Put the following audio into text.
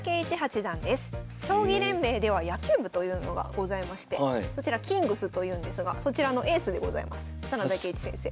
将棋連盟では野球部というのがございましてキングスというんですがそちらのエースでございます真田圭一先生。